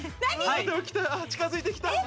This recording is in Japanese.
近づいてきた！